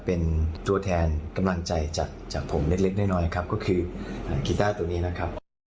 เป็นตัวแทนกำลังใจจากผมเล็กน้อยครับก็คือกีต้าตัวนี้นะครับ